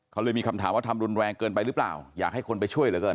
เขาเลยมีคำถามว่าทำรุนแรงเกินไปหรือเปล่าอยากให้คนไปช่วยเหลือเกิน